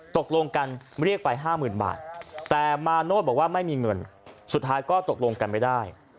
ตกลงกันเรียกไป๕๐๐๐บาทแต่มาโนธบอกว่าไม่มีเงินสุดท้ายก็ตกลงกันไม่ได้